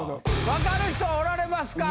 わかる人はおられますか？